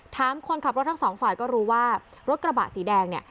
คนขับรถทั้งสองฝ่ายก็รู้ว่ารถกระบะสีแดงเนี่ย